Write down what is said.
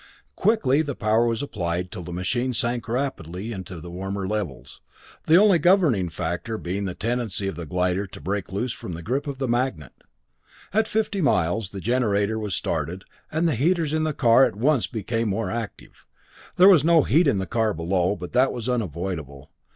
Quickly the power was applied till the machines sank rapidly to the warmer levels, the only governing factor being the tendency of the glider to break loose from the grip of the magnet. At fifty miles the generator was started, and the heaters in the car at once became more active. There was no heat in the car below, but that was unavoidable.